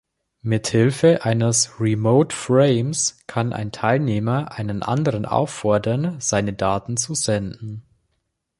Mit Hilfe eines Remote-Frames kann ein Teilnehmer einen anderen auffordern, seine Daten zu senden.